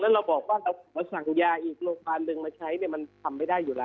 แล้วเราบอกว่าสั่งยาอีกโรงพยาบาลหนึ่งมาใช้เนี่ยมันทำไม่ได้อยู่แล้ว